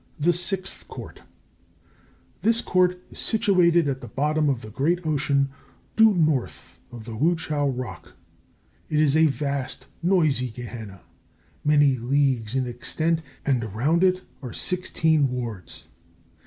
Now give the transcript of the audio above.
THE SIXTH COURT. This Court is situated at the bottom of the great Ocean, due north of the Wu chiao rock. It is a vast, noisy Gehenna, many leagues in extent, and around it are sixteen wards.